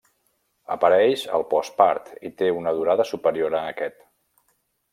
Apareix al postpart i té una durada superior a aquest.